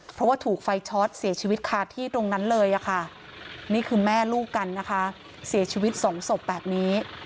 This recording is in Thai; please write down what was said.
เพราะว่าถูกไฟช็อตเสียชีวิตคาที่ตรงนั้นเลยค่ะนี่คือแม่ลูกกันนะคะเสียชีวิตสองศพแบบนี้